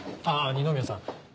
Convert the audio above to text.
あぁ二宮さん